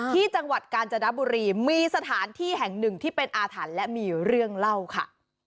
ที่จังหวัดกาญจนบุรีมีสถานที่แห่งหนึ่งที่เป็นอาถรรพ์และมีเรื่องเล่าค่ะ